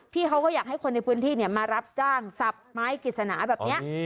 พี่เขาก็อยากให้คนในพื้นที่มารับจ้างสับไม้กิจสนาแบบนี้